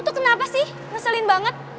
lu tuh kenapa sih ngeselin banget